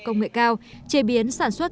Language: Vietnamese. công nghệ cao chế biến sản xuất